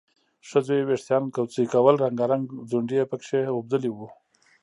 ښځو یې وېښتان کوڅۍ کول، رنګارنګ ځونډي یې پکې اوبدلي وو